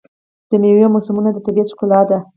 د میوو موسمونه د طبیعت ښکلا ده.